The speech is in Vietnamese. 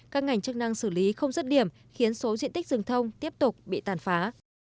các ngành chức năng xử lý không dứt điểm khiến số diện tích rừng thông tiếp tục bị tàn phá